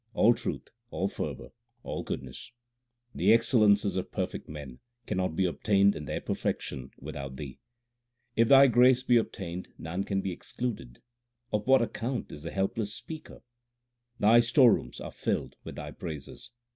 All truth, all fervour, all goodness, 252 THE SIKH RELIGION The excellences of perfect men, Cannot be obtained in their perfection without Thee. If Thy grace be obtained none can be excluded ; Of what account is the helpless speaker ? Thy storerooms are filled with Thy praises.